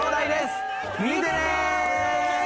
見てね！